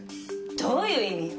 どういう意味？